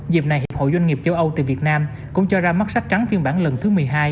dịp này hiệp hội doanh nghiệp châu âu tại việt nam cũng cho ra mắt sách trắng phiên bản lần thứ một mươi hai